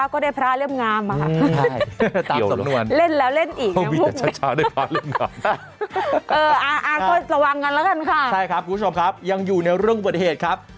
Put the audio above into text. คุณผู้ชมครับยังอยู่ในเรื่องอุบัติเหตุครับ